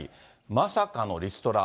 まさかのリストラ？